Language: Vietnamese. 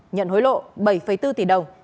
nhận hối lộ bảy bốn tỷ đồng